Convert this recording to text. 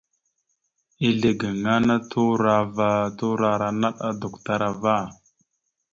Ezle gaŋa ana turo ava turora naɗ adukətar ava.